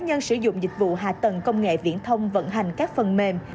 nhân sử dụng dịch vụ hạ tầng công nghệ viễn thông vận hành các phần mềm